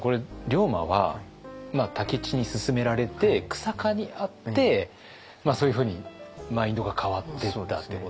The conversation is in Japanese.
龍馬は武市に勧められて久坂に会ってそういうふうにマインドが変わってったってことですよね。